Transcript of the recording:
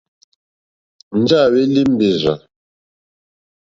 Njɛ̂ à hwélí mbèrzà.